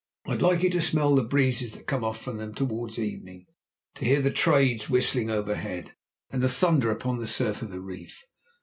I'd like you to smell the breezes that come off from them towards evening, to hear the 'trades' whistling overhead, and the thunder of the surf upon the reef.